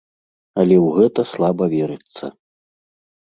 Але ў гэта слаба верыцца.